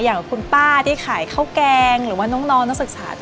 อย่างคุณป้าที่ขายข้าวแกงหรือว่าน้องนักศึกษา